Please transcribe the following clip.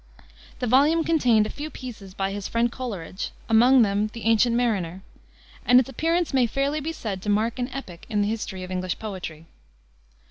The volume contained a few pieces by his friend Coleridge among them the Ancient Mariner and its appearance may fairly be said to mark an epoch in the history of English poetry.